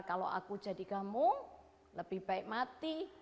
kalau aku jadi kamu lebih baik mati